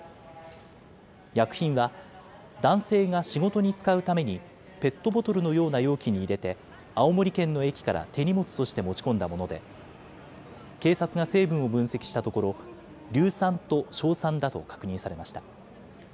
薬品は男性が仕事に使うためにペットボトルのような容器に入れて、青森県の駅から手荷物として持ち込んだもので、警察が成分を分析したところ、硫酸と硝酸だと確認されました。